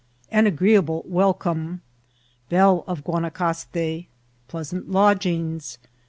— Aa agreeable Welcome.— Belle of Ooanacaate.— Pleaaant Lodgingi.